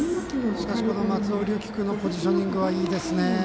しかし、松尾龍樹君のポジショニングはいいですね。